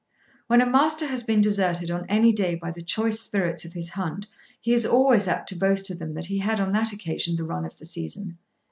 When a Master has been deserted on any day by the choice spirits of his hunt he is always apt to boast to them that he had on that occasion the run of the season.